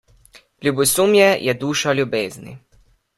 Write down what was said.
Ljubosumje je duša ljubezni.